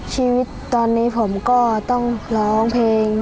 ชีวิตตอนนี้ผมก็ต้องร้องเพลง